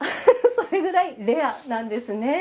それぐらいレアなんですね。